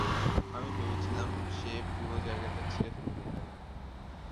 আমি ভেবেছিলাম সে পুরো জায়গাটা ছিঁড়ে ফেলবে, ভাই।